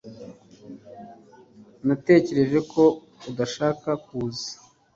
Natekereje ko udashaka kuza